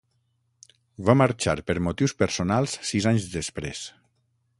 Va marxar per motius personals sis anys després.